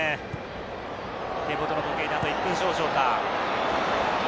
手元の時計ではあと１分少々か。